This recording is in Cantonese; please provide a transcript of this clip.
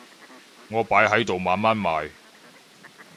我擺喺度慢慢賣